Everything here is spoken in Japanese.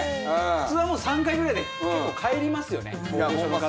普通はもう３回ぐらいで結構帰りますよねホンマ